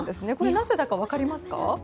なぜだか分かりますか？